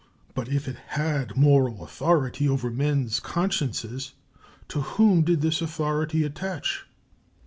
But if it had moral authority over men's consciences, to whom did this authority attach?